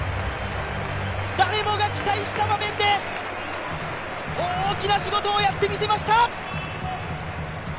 誰もが期待した場面で大きな仕事をやってみせました。